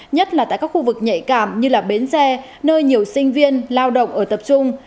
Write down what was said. nhất là tại các khu vực nhạy cảm như bến xe nơi nhiều sinh viên lao động ở tập trung